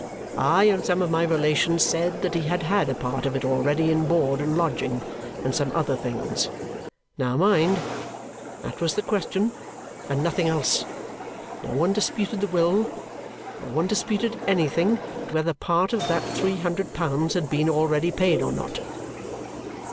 I and some of my relations said that he had had a part of it already in board and lodging and some other things. Now mind! That was the question, and nothing else. No one disputed the will; no one disputed anything but whether part of that three hundred pounds had been already paid or not.